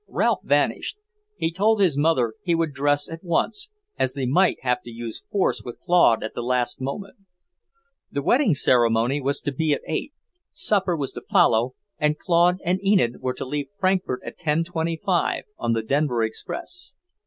Ralph vanished. He told his mother he would dress at once, as they might have to use force with Claude at the last moment. The wedding ceremony was to be at eight, supper was to follow, and Claude and Enid were to leave Frankfort at 10:25, on the Denver express.